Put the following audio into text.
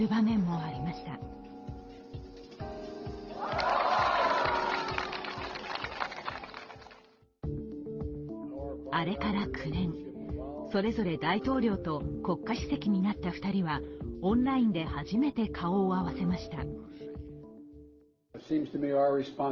あれから９年、それぞれ大統領と国家主席になった２人はオンラインで初めて顔を合わせました。